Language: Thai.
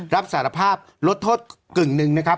รับสารภาพลดโทษกึ่งหนึ่งนะครับ